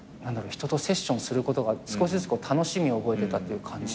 人とセッションすることが少しずつ楽しみを覚えてた感じ。